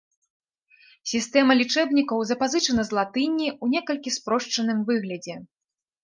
Сістэма лічэбнікаў запазычана з латыні ў некалькі спрошчаным выглядзе.